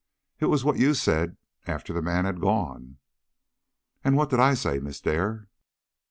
It was what you said yourself after the man had gone." "And what did I say, Miss Dare?"